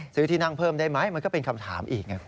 ซื้อที่นั่งเพิ่มได้ไหมมันก็เป็นคำถามอีก